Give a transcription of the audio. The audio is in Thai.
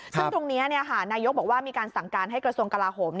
ซึ่งตรงนี้นายกบอกว่ามีการสั่งการให้กระทรวงกลาโหม